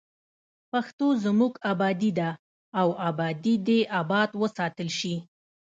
پښتو زموږ ابادي ده او ابادي دې اباد وساتل شي.